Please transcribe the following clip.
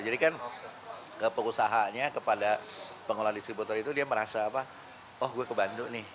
jadi kan keusahanya kepada pengolah distributor itu dia merasa oh gue ke bandung